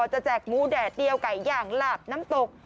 แจกหมูแดดเดียวไก่อย่างหลาบน้ำตก